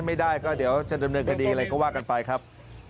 ไม่ได้ก็เดี๋ยวจะดำเนินคดีอะไรก็ว่ากันไปครับ